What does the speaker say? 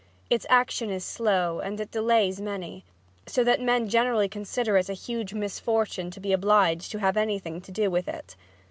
Its action is slow and its delays many, so that men generally consider it a huge misfortune to be obliged to have anything to do with it.